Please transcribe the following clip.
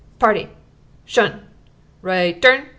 "Party, 'shun! Right turn!